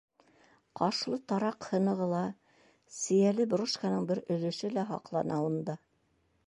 Ҡашлы тараҡ һынығы ла, сейәле брошканың бер өлөшө лә һаҡлана унда.